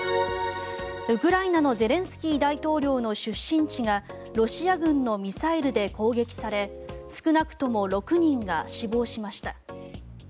ウクライナのゼレンスキー大統領の出身地がロシア軍のミサイルで攻撃され少なくとも６人が死亡しました。